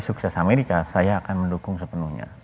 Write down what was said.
sukses amerika saya akan mendukung sepenuhnya